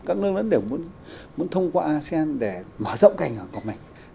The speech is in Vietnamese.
các nước lớn đều muốn thông qua asean để mở rộng cảnh của mình